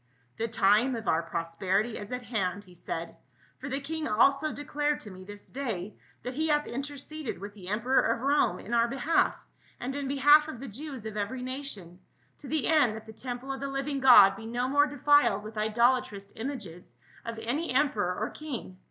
"The time of our prosperity is at hand," he said, " for the king also declared to me this day that he hath interceded with the emperor of Rome in our behalf and in behalf of the Jews of every nation, to the end that the temple of the living God be no more THE KING OF THE JEWS. 245 defiled with idolatrous images of any emperor or king.